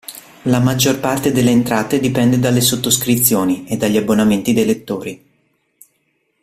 La maggior parte delle entrate dipende dalle sottoscrizioni e dagli abbonamenti dei lettori.